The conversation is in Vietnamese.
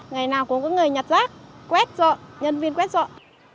ngày nào cũng có người nhặt rác quét rộn nhân viên quét rộn